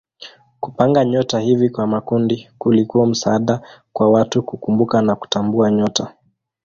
Kupanga nyota hivi kwa makundi kulikuwa msaada kwa watu kukumbuka na kutambua nyota.